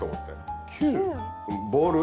ボール。